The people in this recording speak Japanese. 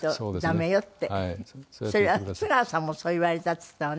それは津川さんもそう言われたって言ってたわね。